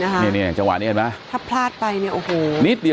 แล้วน้ำซัดมาอีกละรอกนึงนะฮะจนในจุดหลังคาที่เขาไปเกาะอยู่เนี่ย